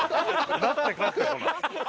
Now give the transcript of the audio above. なって帰ってこない。